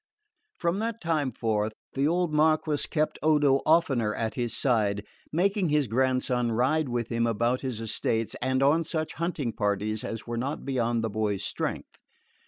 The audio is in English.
From that time forth the old Marquess kept Odo oftener at his side, making his grandson ride with him about his estates and on such hunting parties as were not beyond the boy's strength.